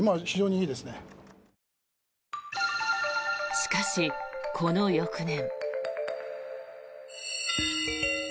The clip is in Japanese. しかし、この翌年。